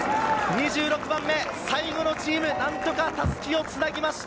２６番目、最後のチーム、なんとか襷を繋ぎました。